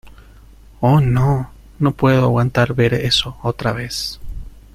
Oh, no , no puedo aguantar ver eso otra vez.